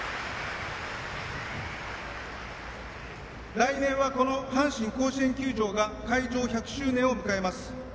来年は阪神甲子園球場が開場１００周年を迎えます。